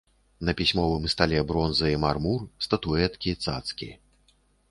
На пісьмовым стале бронза і мармур, статуэткі, цацкі.